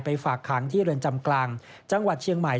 ฝากขังที่เรือนจำกลางจังหวัดเชียงใหม่